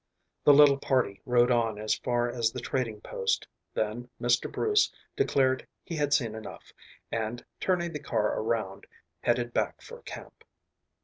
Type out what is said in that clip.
The little party rode on as far as the trading post, then Mr. Bruce declared he had seen enough, and turning the car around headed back for camp.